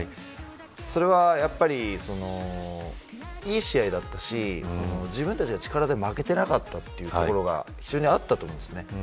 それはやっぱりいい試合だったし自分たちが力で負けてなかったというところが非常にあったと思うんですね。